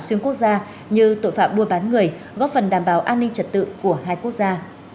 xuyên quốc gia như tội phạm mua bán người góp phần đảm bảo an ninh trật tự của hai quốc gia